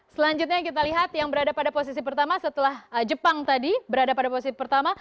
selanjutnya kita lihat yang berada pada posisi pertama setelah jepang tadi berada pada posisi pertama